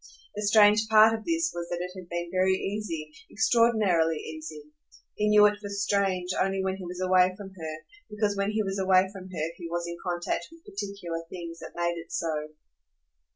The strange part of this was that it had been very easy, extraordinarily easy. He knew it for strange only when he was away from her, because when he was away from her he was in contact with particular things that made it so.